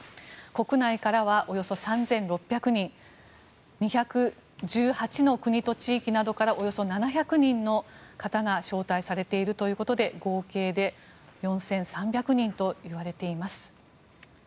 国内からはおよそ３６００人２１８の国と地域などからおよそ７００人の方が招待されているということで合計で４３００人といわれています。